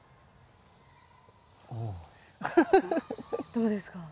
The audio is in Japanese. どうですか？